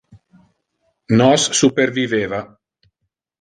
Nos superviveva.